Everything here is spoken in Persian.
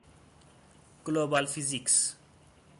گلوبال فیزیکس